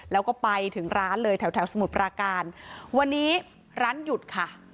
แล้วก็ไปถึงร้านเลยแถวแถวสมุทรปราการวันนี้ร้านหยุดค่ะ